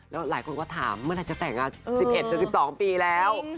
แล้วหลายคนก็ถามเมื่อไหร่จะแต่ง๑๑๑๒ปีแล้ว